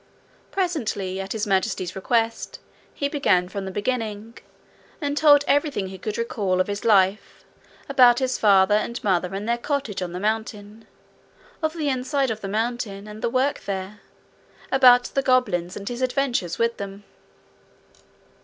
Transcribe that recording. Presently, at His Majesty's request, he began from the beginning, and told everything he could recall of his life, about his father and mother and their cottage on the mountain, of the inside of the mountain and the work there, about the goblins and his adventures with them.